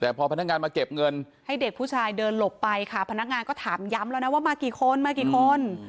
แต่พอพนักงานมาเก็บเงินให้เด็กผู้ชายเดินหลบไปค่ะพนักงานก็ถามย้ำแล้วนะว่ามากี่คนมากี่คน